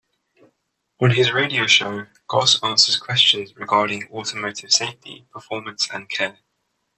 On his radio show, Goss answers questions regarding "automotive safety, performance and care".